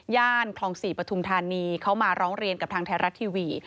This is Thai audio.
คลอง๔ปฐุมธานีเขามาร้องเรียนกับทางไทยรัฐทีวี